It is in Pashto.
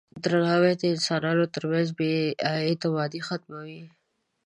درناوی د انسانانو ترمنځ بې اعتمادي ختموي.